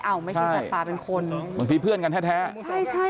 ไม่ใช่สัตว์ป่าเป็นคนบางทีเพื่อนกันแท้แท้ใช่ใช่